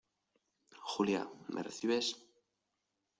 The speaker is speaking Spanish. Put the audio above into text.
Julia, ¿ me recibes?